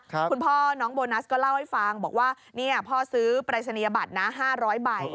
คุณพ่อน้องโบนัสก็เล่าให้ฟังบอกว่าเนี่ยพ่อซื้อปรายศนียบัตรนะ๕๐๐ใบ